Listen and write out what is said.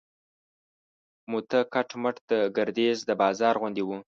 موته کټ مټ د ګردیز د بازار غوندې و.